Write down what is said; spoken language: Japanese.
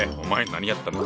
何やってんだ。